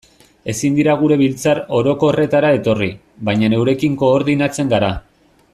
Ezin dira gure biltzar orokorretara etorri, baina eurekin koordinatzen gara.